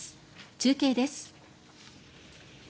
中継です。